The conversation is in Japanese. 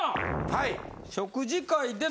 はい！